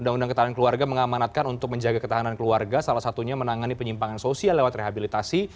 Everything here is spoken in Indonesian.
undang undang ketahanan keluarga mengamanatkan untuk menjaga ketahanan keluarga salah satunya menangani penyimpangan sosial lewat rehabilitasi